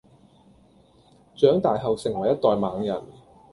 長大後成為一代猛人